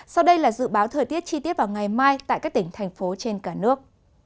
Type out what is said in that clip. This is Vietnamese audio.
sau đây là dự báo thời tiết chi tiết vào ngày mai tại các tỉnh thành phố trên cả nước